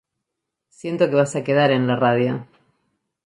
Siento que va a quedar en la radio.